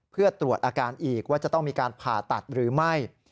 เพื่อตรวจอาการอีกว่าจะต้องมีการผ่าตัดหรือไม่